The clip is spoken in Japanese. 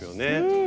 うん！